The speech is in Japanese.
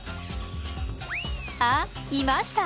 あっいました！